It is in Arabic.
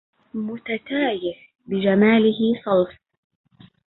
متتايه بجماله صلف